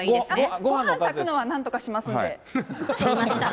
ごはん炊くのはなんとかしますんで。